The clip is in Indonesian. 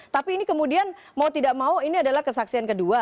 tapi ini kemudian mau tidak mau ini adalah kesaksian kedua